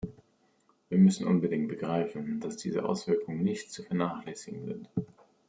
Wir müssen unbedingt begreifen, dass diese Auswirkungen nicht zu vernachlässigen sind.